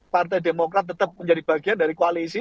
partai demokrat tetap menjadi bagian dari koalisi